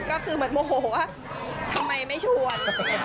ก็คือเหมือนโมโหว่าทำไมไม่ชวน